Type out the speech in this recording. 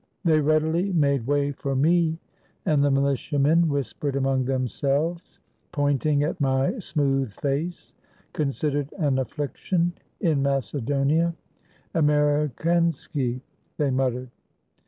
They readily made way for me, and the militiamen whispered among themselves, pointing at my smooth face, — considered an affliction in Macedonia ;— "Americansky," they muttered.